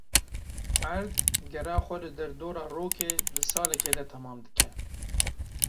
Erd gera xwe li derdora rokê di salekê de temam dike.